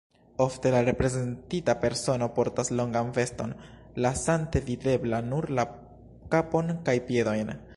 Ofte la reprezentita persono portas longan veston, lasante videbla nur la kapon kaj piedojn.